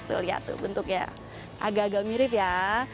tuh lihat tuh bentuknya agak agak mirip ya